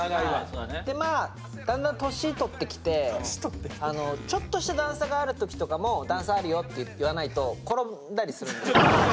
まあだんだん年とってきてちょっとした段差がある時とかも「段差あるよ」って言わないと転んだりするんですよ。